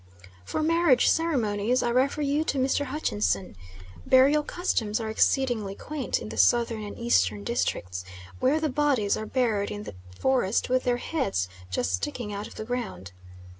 For marriage ceremonies I refer you to Mr. Hutchinson. Burial customs are exceedingly quaint in the southern and eastern districts, where the bodies are buried in the forest with their heads just sticking out of the ground.